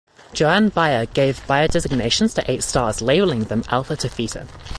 Johann Bayer gave Bayer designations to eight stars, labelling them Alpha to Theta.